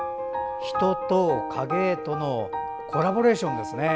人と影絵とのコラボレーションですね。